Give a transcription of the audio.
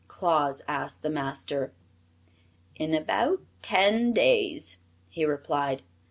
Claus asked the Master. "In about ten days," he replied.